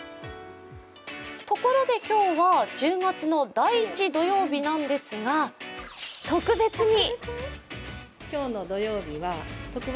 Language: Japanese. ところで今日は１０月の第１土曜日なんですが、特別に。